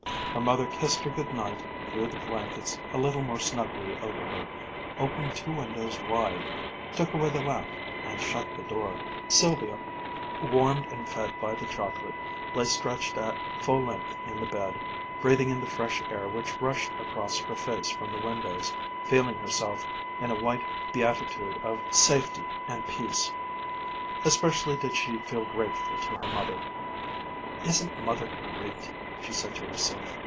Her mother kissed her good night, drew the blankets a little more snugly over her, opened two windows wide, took away the lamp, and shut the door. Sylvia, warmed and fed by the chocolate, lay stretched at full length in the bed, breathing in the fresh air which rushed across her face from the windows, feeling herself in a white beatitude of safety and peace. Especially did she feel grateful to her mother. "Isn't Mother great!" she said to herself.